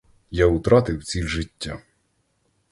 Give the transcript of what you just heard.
Я утратив ціль життя.